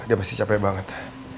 dia pasti capek banget